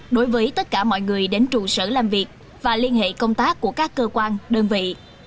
đối với tất cả mọi người đến trụ sở làm việc và liên hệ công tác của các cơ quan đơn vị